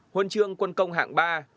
huân trường quân công hạng ba